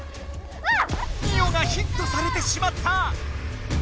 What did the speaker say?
ミオがヒットされてしまった。